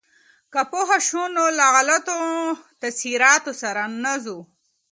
که پوه شو، نو له غلطو تاثیراتو سره نه ځو.